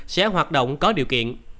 sẽ hoạt động có điều kiện